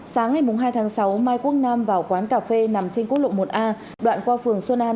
sáng ngày hai tháng sáu mai quốc nam vào quán cà phê nằm trên quốc lộ một a đoạn qua phường xuân an